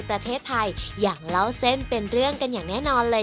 ประเทศไทยอย่างเล่าเส้นเป็นเรื่องกันอย่างแน่นอนเลย